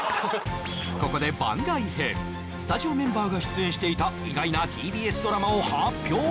ここで番外編スタジオメンバーが出演していた意外なＴＢＳドラマを発表